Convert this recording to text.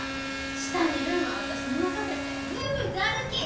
下見るんは私に任せて上向いて歩き！